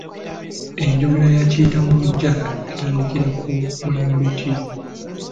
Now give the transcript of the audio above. Enjogera ya kiyita mu luggya yatandikira ku mulembe ki?